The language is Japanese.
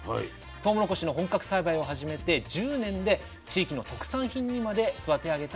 とうもろこしの本格栽培を始めて１０年で地域の特産品にまで育て上げた方なんです。